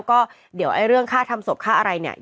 ก็เดี๋ยวเรื่องค่าทำศพค่าอะไรเนี่ย